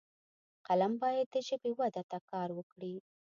فلم باید د ژبې وده ته کار وکړي